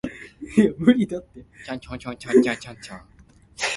戲若做無路，就用神仙渡